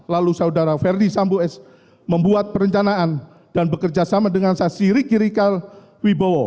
lalu saudara ferdi sambu s membuat perencanaan dan bekerjasama dengan saksi rikirikal wibowo